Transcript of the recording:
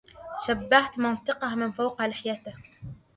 شبهت منطقه من فوق لحيته